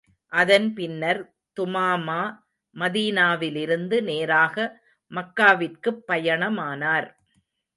அதன் பின்னர், துமாமா மதீனாவிலிருந்து நேராக மக்காவிற்குப் பயணமானார்.